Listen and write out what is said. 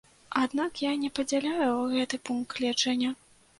Аднак я не падзяляю гэты пункт гледжання.